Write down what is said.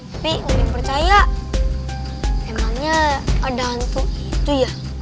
tapi paling percaya emangnya ada hantu itu ya